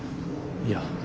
いや。